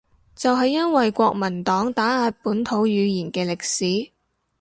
就係因為國民黨打壓本土語言嘅歷史